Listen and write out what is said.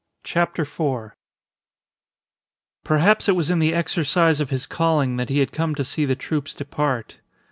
CHAPTER FOUR Perhaps it was in the exercise of his calling that he had come to see the troops depart.